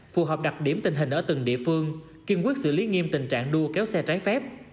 phù hợp đặc điểm tình hình ở từng địa phương kiên quyết xử lý nghiêm tình trạng đua kéo xe trái phép